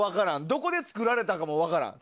どこで作られたかも分からん。